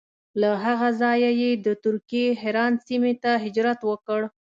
له هغه ځایه یې د ترکیې حران سیمې ته هجرت وکړ.